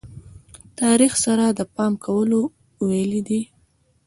تاریخ سره د پام کولو ویلې دي.